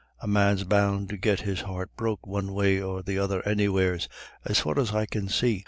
A man's bound to get his heart broke one way or the other anywheres, as far as I can see.